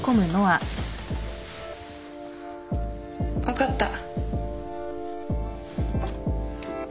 分かった。